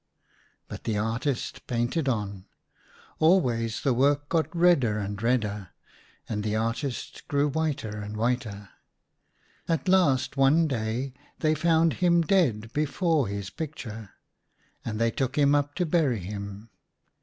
But the artist painted on. Always the work got redder and redder, and the artist grew whiter and whiter. At last one day they found him dead before his picture, and they took him up to bury him.